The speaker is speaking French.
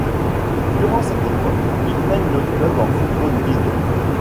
Durant cette époque, il mène le club en Football League.